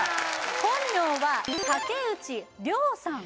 本名は竹内崚さん